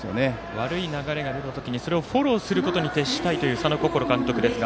悪い流れが出た時にそれをフォローすることに徹したいという佐野心監督ですが。